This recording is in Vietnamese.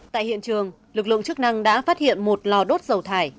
tại hiện trường lực lượng chức năng đã phát hiện một lò đốt dầu thải